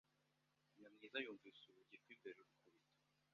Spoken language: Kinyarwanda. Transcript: Nyamwiza yumvise urugi rw'imbere rukubita.